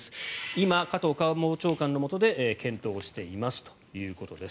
今、加藤官房長官のもとで検討をしていますということです。